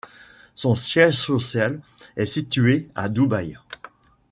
Son siège social est située à Dubaï.